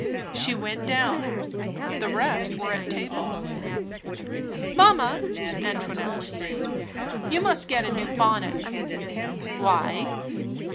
She went down. The rest were at table. "Mamma," Antoinette was saying, "you must get a new bonnet." "Why?"